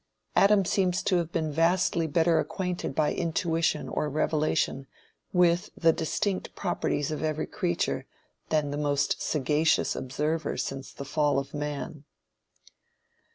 Adam seems to have been vastly better acquainted by intuition or revelation with the distinct properties of every creature than the most sagacious observer since the fall of man.